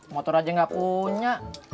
motor aja gak punya